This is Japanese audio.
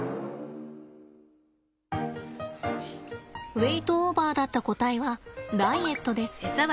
ウエイトオーバーだった個体はダイエットです。